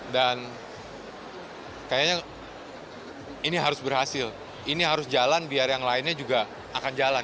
kayaknya ini harus berhasil ini harus jalan biar yang lainnya juga akan jalan